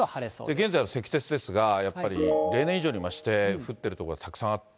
現在の積雪ですが、やっぱり例年以上に増して降ってる所がたくさんあって。